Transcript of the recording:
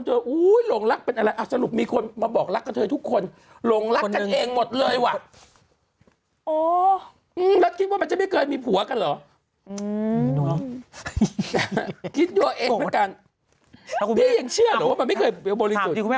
วุ้ยหลงรักเป็นอะไรสรุปมีคนมาบอกรักกันเธอทุกคนหลงรักกันเองหมดเลยวะรัดคิดว่ามันจะไม่เกิดมีผัวกันเหรอ